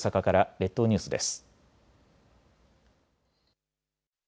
列島ニュースです。